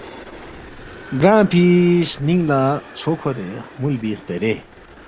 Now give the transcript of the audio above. گرانگفی سنینگلا ژھو کھورے خمولبی خپرے